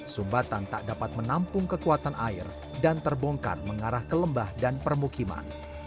sumbatan tak dapat menampung kekuatan air dan terbongkar mengarah ke lembah dan permukiman